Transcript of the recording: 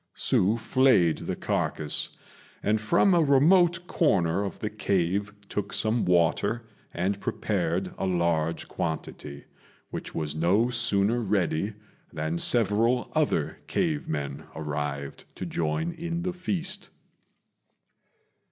Hsü flayed the carcase, and from a remote corner of the cave took some water and prepared a large quantity, which was no sooner ready than several other cave men arrived to join in the feast.